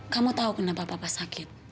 kamu tau kenapa papa sakit